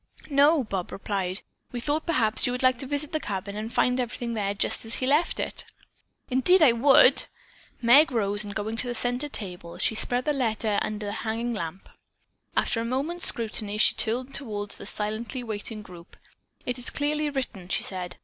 "No," Bob replied, "we thought perhaps you would like to visit the cabin and find everything there just as he left it." "I would indeed!" Meg rose, and going to the center table, she spread the letter under the hanging lamp. After a moment's scrutiny, she turned toward the silently waiting group. "It is clearly written," she said.